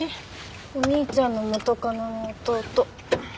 お兄ちゃんの元カノの弟。